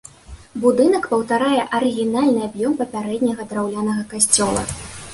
Будынак паўтарае арыгінальны аб'ём папярэдняга драўлянага касцёла.